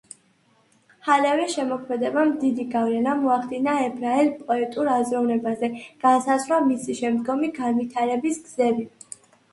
ჰალევის შემოქმედებამ დიდი გავლენა მოახდინა ებრაულ პოეტურ აზროვნებაზე, განსაზღვრა მისი შემდგომი განვითარების გზები.